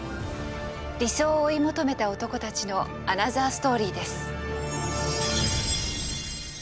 理想を追い求めた男たちのアナザーストーリーです。